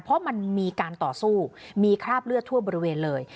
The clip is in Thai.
เพราะมันมีการต่อสู้มีคราบเลือดทั่วบริเวณเลย